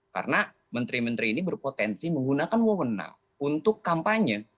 karena menteri menteri ini berpotensi menggunakan wawanan untuk kampanye